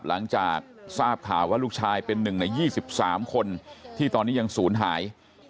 หลังจากทราบข่าวว่าลูกชายเป็น๑ใน๒๓คนที่ตอนนี้ยังศูนย์หาย